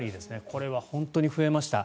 これは本当に増えました。